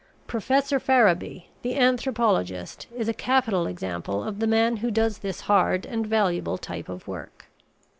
Professor Farrabee, the anthropologist, is a capital example of the man who does this hard and valuable type of work.